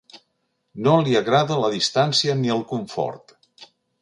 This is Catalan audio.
No li agrada la distància ni el confort.